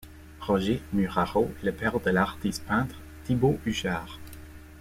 Roger Muraro est le père de l'artiste-peintre Thibaut Huchard.